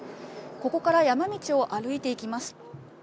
ここから山道を歩いていきます。